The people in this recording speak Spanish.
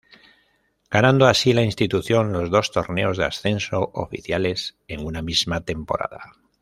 Ganando así la institución los dos torneos de ascenso oficiales en una misma temporada.